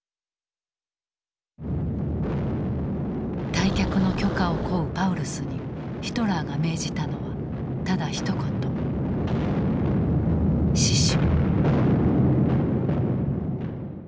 退却の許可を請うパウルスにヒトラーが命じたのはただひと言「死守」。